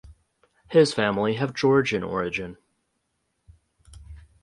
His family have Georgian origin.